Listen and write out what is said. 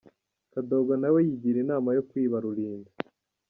Kadogo na we yigira inama yo kwiba Rulinda.